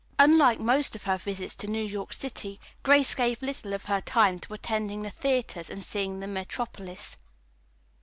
Unlike most of her visits to New York City, Grace gave little of her time to attending the theatres and seeing the metropolis.